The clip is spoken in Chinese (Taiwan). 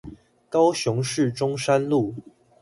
高雄市中山路